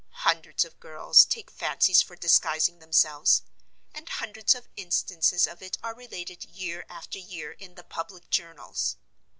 Hundreds of girls take fancies for disguising themselves; and hundreds of instances of it are related year after year in the public journals.